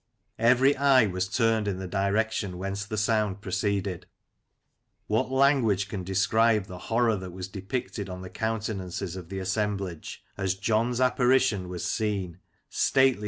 Every eye was turned in the direction whence the sound proceeded. What language can describe the horror that was depicted on the counten ances of the assemblage, as John's apparition was seen, stately no Lancashire Characters and Places.